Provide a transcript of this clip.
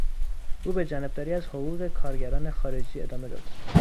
او به جانبداری از حقوق کارگران خارجی ادامه داد.